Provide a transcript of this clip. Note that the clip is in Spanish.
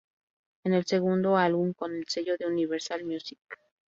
Es el segundo álbum con el sello de Universal Music.